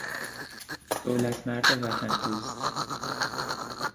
دولتمرد وطن دوست